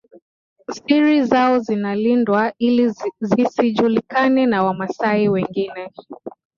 Siri zao zinalindwa ili zisijulikane na Wamasai wengine